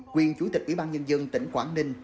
quyền chủ tịch ủy ban nhân dân tỉnh quảng ninh